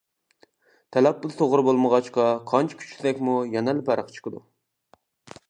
تەلەپپۇز توغرا بولمىغاچقا قانچە كۈچىسەكمۇ يەنىلا پەرق چىقىدۇ.